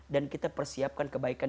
dan kita persiapkan kebaikan